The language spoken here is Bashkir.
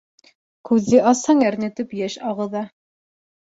Күҙҙе асһаң, әрнетеп, йәш ағыҙа.